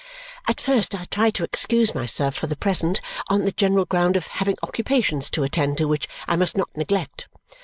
At first I tried to excuse myself for the present on the general ground of having occupations to attend to which I must not neglect.